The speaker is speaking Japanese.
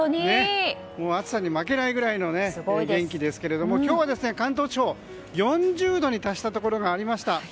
暑さに負けないぐらいの元気ですけれども今日は関東地方、４０度に達したところがありました。